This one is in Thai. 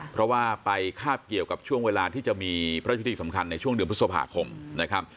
เพราะว่าไปคาบเกี่ยวกับช่วงเวลาที่จะมีพระราชพิธีสำคัญในช่วงเดือนพฤษภาคมนะครับ